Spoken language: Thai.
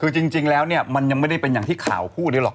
คือจริงแล้วเนี่ยมันยังไม่ได้เป็นอย่างที่ข่าวพูดเลยหรอก